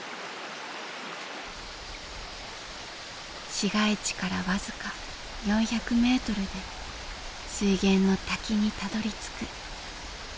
市街地から僅か４００メートルで水源の滝にたどりつく。